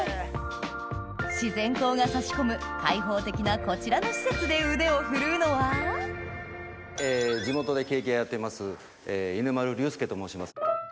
自然光が差し込む開放的なこちらの施設で腕を振るうのは地元でケーキ屋やってます犬丸龍介と申します。